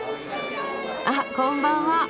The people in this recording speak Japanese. あっこんばんは。